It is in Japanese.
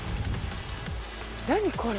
何これ。